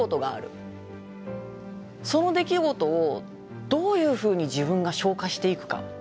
その出来事をどういうふうに自分が消化していくか。